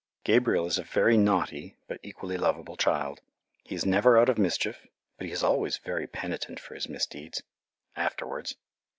Gabriel is a very naughty, but equally lovable child. He is never out of mischief, but he is always very penitent for his misdeeds afterwards!